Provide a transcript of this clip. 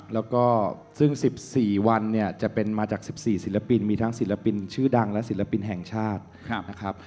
แล้วก็ซึ่ง๑๔วันเนี่ยจะเป็นมาจาก๑๔ศิลปินมีทั้งศิลปินชื่อดังและศิลปินแห่งชาตินะครับ